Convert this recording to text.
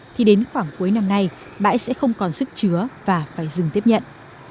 thì đến khoảng cuối năm nay bãi sẽ không còn sức chứa và phải dừng tiếp nhận